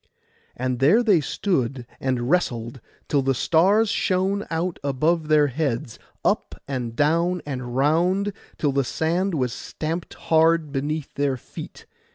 And there they stood and wrestled, till the stars shone out above their heads; up and down and round, till the sand was stamped hard beneath their feet.